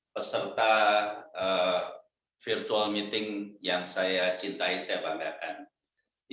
peserta virtual meeting yang saya cintai saya banggakan